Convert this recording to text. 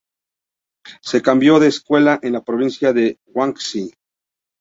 Se cambió de escuela en la provincia de Guangxi.